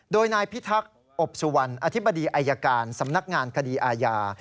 โดยนายพิทักษ์อบสุวรรณอธิบดีอายการสำนักงานคดีอาญา